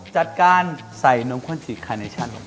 จัดการใส่นมข้นจืดคาร์เนชั่นครับ